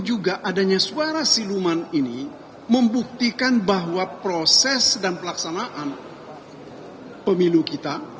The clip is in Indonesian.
juga adanya suara siluman ini membuktikan bahwa proses dan pelaksanaan pemilu kita